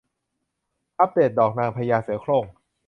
อัปเดตดอกนางพญาเสือโคร่ง